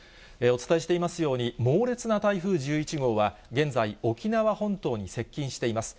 お伝えしていますように、猛烈な台風１１号は現在、沖縄本島に接近しています。